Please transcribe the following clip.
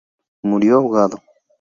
Murió ahogado.